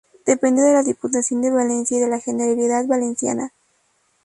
Depende de la Diputación de Valencia y de la Generalidad Valenciana.